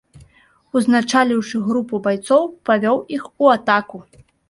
Узначаліўшы групу байцоў, павёў іх у атаку.